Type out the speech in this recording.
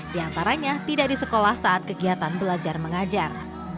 di antaranya tidak di sekolah saat kegiatan belajar mengajar